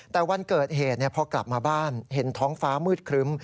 แต่วันเกิดเหตุพอกลับมาบ้านเห็นท้องฟ้ามืดครึ้ม